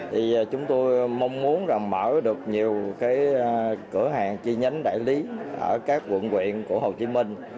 thì chúng tôi mong muốn là mở được nhiều cái cửa hàng chi nhánh đại lý ở các quận quyện của hồ chí minh